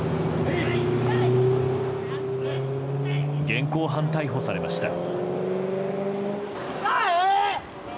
現行犯逮捕されました。